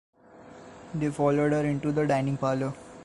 They followed her into the dining-parlour.